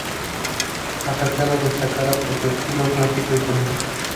La fachada destaca por su estilo clásico y sobrio.